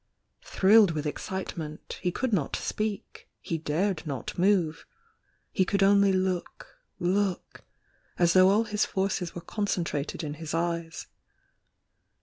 Thrilled with excitement, he could not speak — he dared not move, — he could only look, look, as though all his forces were concentrated in his eyes.